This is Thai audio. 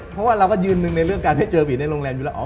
เพราะว่าเราก็ยืนหนึ่งในเรื่องการให้เจอหวีดในโรงแรมอยู่แล้ว